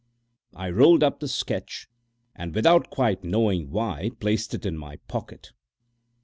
I rolled up the sketch, and without quite knowing why, placed it in my pocket.